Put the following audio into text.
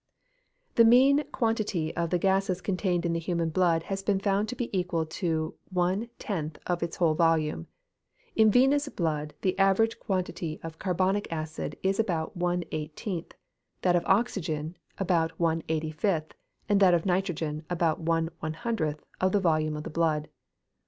_ The mean quantity of the gases contained in the human blood has been found to be equal to 1 10th of its whole volume. In venous blood, the average quantity of carbonic acid is about 1 18th, that of oxygen about 1 85th, and that of nitrogen about 1 100th of the volume of the blood.